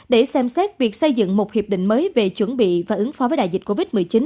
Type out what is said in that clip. để xem xét việc xây dựng một hiệp định mới về chuẩn bị và ứng phó với đại dịch covid một mươi chín